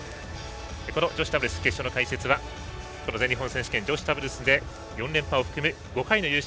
この女子ダブルス決勝の解説は全日本選手権女子ダブルスで４連覇を含む５回の優勝